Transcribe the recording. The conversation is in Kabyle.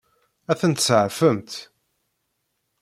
Ad tent-tseɛfemt?